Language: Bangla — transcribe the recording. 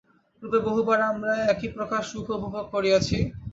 পূর্বে বহুবার আমরা একই প্রকার সুখ উপভোগ করিয়াছি।